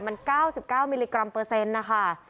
มัน๙๙มิลลิกรัมเปอร์เซ็นต์นะคะ